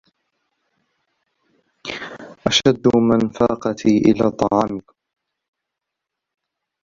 أَشَدُّ مِنْ فَاقَتِي إلَى طَعَامِكُمْ